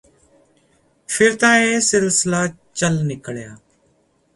ਫਿਰ ਤਾਂ ਇਹ ਸਿਲਸਿਲਾ ਚੱਲ ਨਿਕਲਿਆ